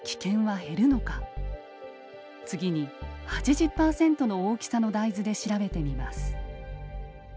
次に８０％の大きさの大豆で調べてみます。